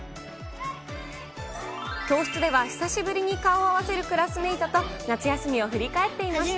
教室では久しぶりに顔を合わせるクラスメートと夏休みを振り返っていました。